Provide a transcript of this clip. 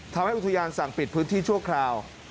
ทำให้อุทยานสั่งปิดพื้นที่ชั่วคราว